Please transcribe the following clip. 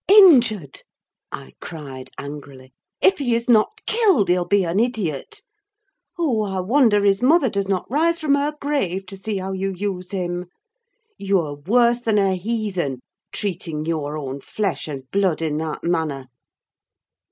"Injured!" I cried angrily; "if he is not killed, he'll be an idiot! Oh! I wonder his mother does not rise from her grave to see how you use him. You're worse than a heathen—treating your own flesh and blood in that manner!"